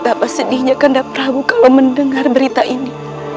betapa sedihnya kandar prabu kalau mendengar berita ini